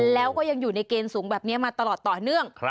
แล้วก็ยังอยู่ในเกณฑ์สูงแบบนี้มาตลอดต่อเนื่อง